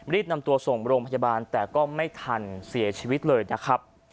นำตัวส่งโรงพยาบาลแต่ก็ไม่ทันเสียชีวิตเลยนะครับ